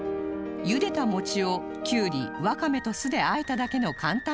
茹でたもちをきゅうりわかめと酢であえただけの簡単レシピですが